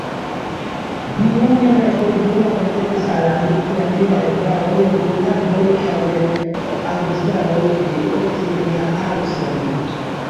Biome la ekoregiono apartenas al la mediteraneaj arbaroj, duonarbaroj kaj arbustaroj de Okcidenta Aŭstralio.